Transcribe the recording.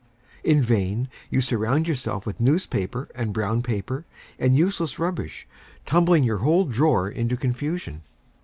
In vain you surround yourself with newspaper and brown paper, and useless rubbish, tumbling your whole drawer into confusion.